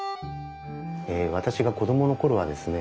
私が子供の頃はですね